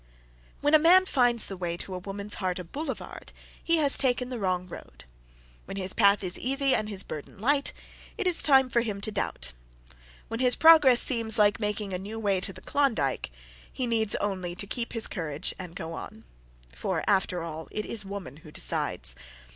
When a man finds the way to a woman's heart a boulevard, he has taken the wrong road. When his path is easy and his burden light, it is time for him to doubt. When his progress seems like making a new way to the Klondike, he needs only to keep his courage and go on. For, after all, it is woman who decides.